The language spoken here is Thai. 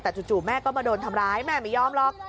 แต่จู่แม่ก็มาโดนทำร้ายแม่ไม่ยอมหรอก